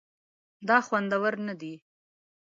دا خوندور نه دي